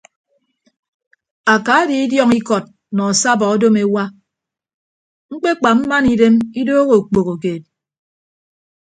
Aka die idiọñ ikọt nọ asabọ odom ewa ñkpekpa mmana idem idooho okpoho keed.